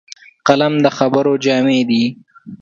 قلم د خبرو جامې دي